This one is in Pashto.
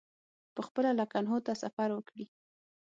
پخپله لکنهو ته سفر وکړي.